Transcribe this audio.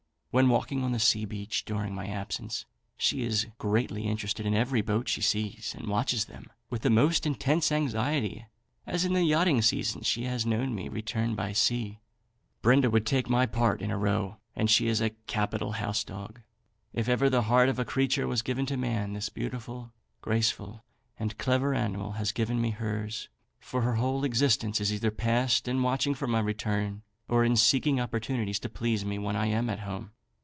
When walking on the sea beach during my absence, she is greatly interested in every boat she sees, and watches them with the most intense anxiety, as in the yachting season she has known me return by sea. Brenda would take my part in a row, and she is a capital house dog. If ever the heart of a creature was given to man, this beautiful, graceful, and clever animal has given me hers, for her whole existence is either passed in watching for my return, or in seeking opportunities to please me when I am at home.